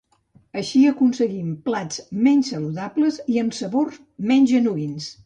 Així aconseguim plats menys saludables i amb sabors menys genuïns.